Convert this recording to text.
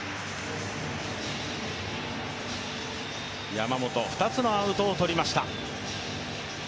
山本、２つのアウトを取りました。